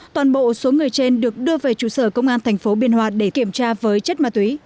toàn bộ số người trên được đưa về trụ sở công an thành phố biên hòa để kiểm tra với chất ma túy